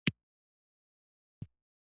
د طالب د اشعارو مجموعه ورباندې لیکلې وه.